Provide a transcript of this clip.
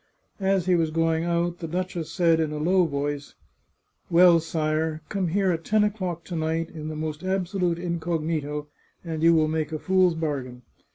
As he was going out the duchess said in a low tone: " Well, sire, come here at ten o'clock to night, in the most absolute incognito, and you will make a fool's bargain.